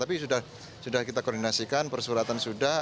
tapi sudah kita koordinasikan persuratan sudah